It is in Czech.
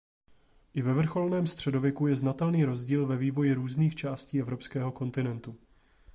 I ve vrcholném středověku je znatelný rozdíl ve vývoji různých částí evropského kontinentu.